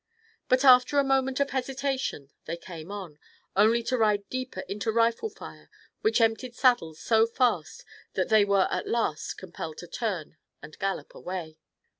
But after a moment of hesitation they came on, only to ride deeper into a rifle fire which emptied saddles so fast that they were at last compelled to turn and gallop away.